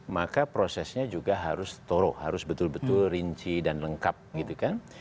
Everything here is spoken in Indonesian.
maka prosesnya juga harus toro harus betul betul rinci dan lengkap gitu kan